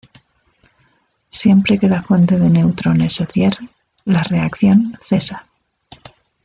Siempre que la fuente de neutrones se cierre, la reacción cesa.